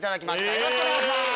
よろしくお願いします。